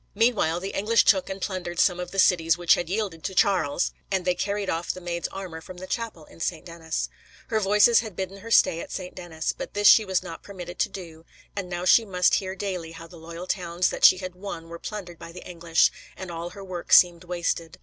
Meanwhile, the English took and plundered some of the cities which had yielded to Charles, and they carried off the Maid's armor from the chapel in St. Denis. Her Voices had bidden her stay at St. Denis, but this she was not permitted to do, and now she must hear daily how the loyal towns that she had won were plundered by the English, and all her work seemed wasted.